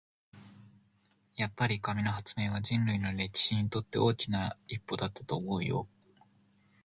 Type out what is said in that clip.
やっぱり、紙の発明は人類の歴史にとって大きな一歩だったと思うよ。